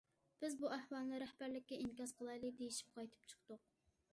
بىز بۇ ئەھۋالنى رەھبەرلىككە ئىنكاس قىلايلى، دېيىشىپ قايتىپ چىقتۇق.